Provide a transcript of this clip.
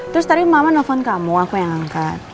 terus tadi mama nelfon kamu aku yang angkat